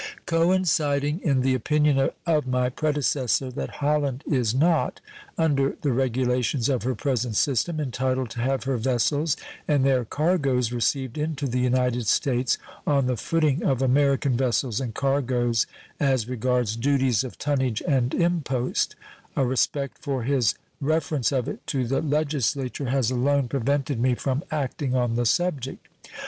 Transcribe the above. Coinciding in the opinion of my predecessor that Holland is not, under the regulations of her present system, entitled to have her vessels and their cargoes received into the United States on the footing of American vessels and cargoes as regards duties of tonnage and impost, a respect for his reference of it to the Legislature has alone prevented me from acting on the subject.